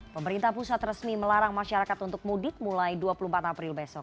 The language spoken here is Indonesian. pemerintah pusat resmi melarang masyarakat untuk mudik mulai dua puluh empat april besok